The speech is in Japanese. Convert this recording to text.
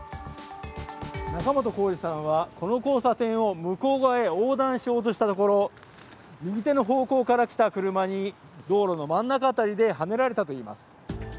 仲本工事さんはこの交差点を向こう側に横断しようとしたところ右手の方向から来た車に道路の真ん中辺りではねられたといいます。